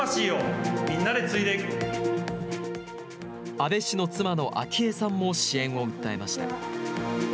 安倍氏の妻の昭恵さんも支援を訴えました。